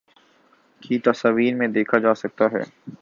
کی تصاویر میں دیکھا جاسکتا ہے